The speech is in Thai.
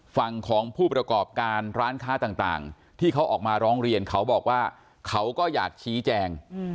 ฝั่งของผู้ประกอบการร้านค้าต่างที่เขาออกมาร้องเรียนเขาบอกว่าเขาก็อยากชี้แจง